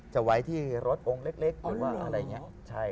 จะไว้ที่รถองค์เล็กหรือว่าอะไรเนี่ย